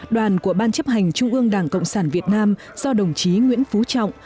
đoàn của ban chấp hành trung ương đảng cộng sản việt nam do đồng chí nguyễn phú trọng